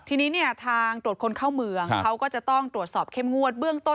ทีนี้เนี่ยทางตรวจคนเข้าเมืองเขาก็จะต้องตรวจสอบเข้มงวดเบื้องต้น